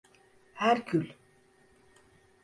Herkül…